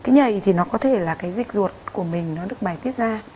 nhầy thì nó có thể là dịch ruột của mình được bài tiết ra